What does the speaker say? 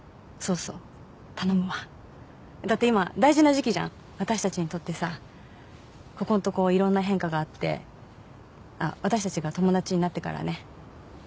そうそだって今大事な時期じゃん私たちにここんとこ色んな変化があってあっ私たちが友達になってからね